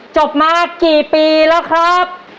จบมากี่ปีแล้วครับ